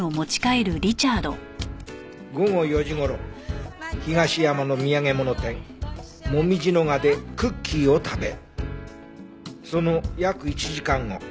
午後４時頃東山の土産物店紅葉賀でクッキーを食べその約１時間後